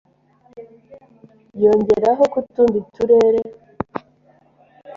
yongeraho ko utundi turere